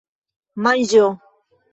manĝo